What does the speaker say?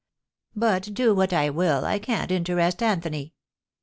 But, do what I will, I can't interest Anthony.